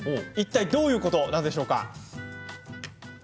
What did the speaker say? いったいどういうことなんでしょうか。